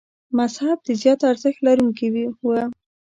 مذهب د زیات ارزښت لرونکي و.